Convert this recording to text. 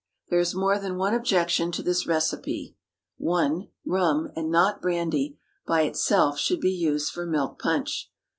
There is more than one objection to this recipe. (1) Rum, and not brandy (by itself), should be used for milk punch.